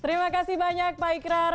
terima kasih banyak pak ikrar